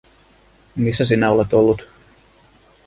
Missä sinä olet ollut?